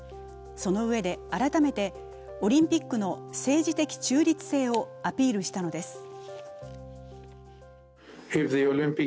そのうえで改めてオリンピックの政治的中立性をアピールしたのです。